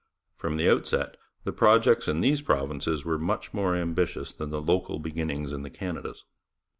From the outset the projects in these provinces were much more ambitious than the local beginnings in the Canadas.